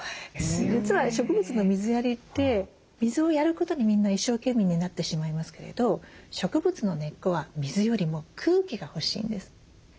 実は植物の水やりって水をやることにみんな一生懸命になってしまいますけれど植物の根っこは水よりも空気が欲しいんです。